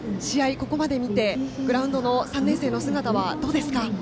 ここまで見てグラウンドの３年生の姿はどうですか？